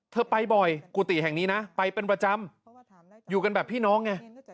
ไปบ่อยกุฏิแห่งนี้นะไปเป็นประจำอยู่กันแบบพี่น้องไง